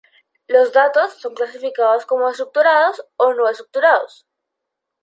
Los datos son clasificados como estructurados o no estructurados.